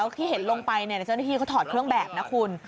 ที่เห็นลงไปเจ้าหน้าที่เขาถอดเครื่องแบบนะคุณ